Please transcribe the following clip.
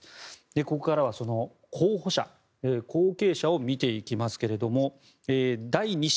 ここからは候補者、後継者を見ていきますが第２子